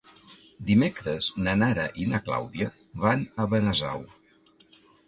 Dimecres na Nara i na Clàudia van a Benasau.